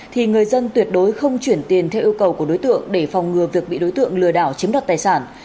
thì người dân tuyệt đối không chuyển tiền theo yêu cầu của đối tượng để phòng ngừa việc bị đối tượng lừa đảo chiếm đoạt tài sản